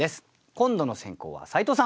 今度の先攻は斉藤さん。